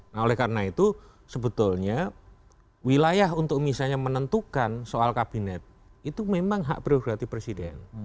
nah oleh karena itu sebetulnya wilayah untuk misalnya menentukan soal kabinet itu memang hak prioritatif presiden